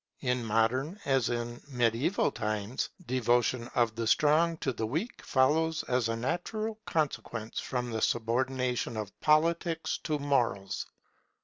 In modern as in mediaeval times, devotion of the strong to the weak follows as a natural consequence from the subordination of Politics to Morals.